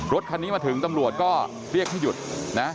รถคันนี้มาถึงตำรวจก็เรียกให้หยุดนะ